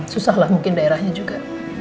susah lah mungkin daerahnya juga